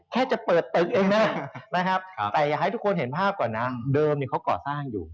แค่จะเปิดตึกเองนะนะครับแต่อยากให้ทุกคนเห็นภาพก่อนนะเดิมเขาก่อสร้างอยู่